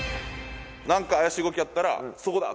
何か怪しい動きあったらそこだ！